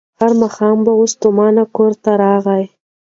هر ماښام به وو ستومان کورته راغلی